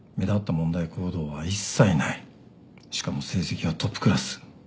しかも成績はトップクラス。